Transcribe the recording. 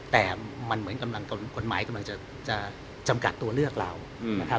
แต่มันเหมือนกำลังกฎหมายกำลังจะจำกัดตัวเลือกเรานะครับ